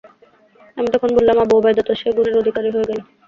আমি তখন বললাম, আবু উবায়দা তো সে গুণের অধিকারী হয়ে গেল।